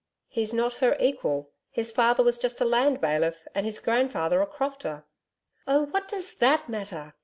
'He's not her equal. His father was just a land bailiff, and his grandfather a crofter.' 'Oh, what DOES that matter!